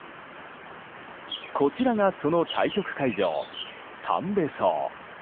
こちらがその対局会場、さんべ壮。